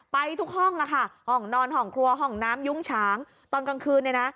ไปทุกห้องค่ะห้องนอนห้องครัวห้องน้ำยุ้งฉางตอนกลางคืนเนี่ยนะ